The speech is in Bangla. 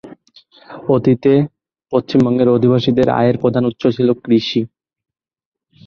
অতীতে, পশ্চিমবঙ্গের অধিবাসীদের আয়ের প্রধান উৎস ছিল কৃষি।